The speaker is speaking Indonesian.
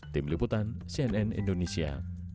tim liputan cnn indonesia